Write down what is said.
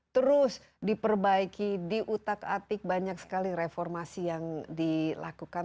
terus diperbaiki diutak atik banyak sekali reformasi yang dilakukan